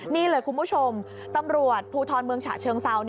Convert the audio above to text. นี่เลยคุณผู้ชมตำรวจภูทรเมืองฉะเชิงเซา